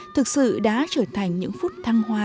thực sự đã trở thành những phút thăng hoa